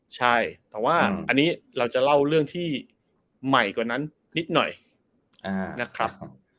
ใช่แต่ว่าอันนี้เราจะเล่าเรื่องที่ใหม่กว่านั้นนิดหน่อยนะครับ